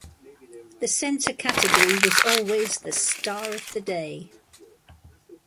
The center category was always the "Star of the Day".